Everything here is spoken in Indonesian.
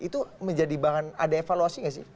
itu menjadi bahan ada evaluasi nggak sih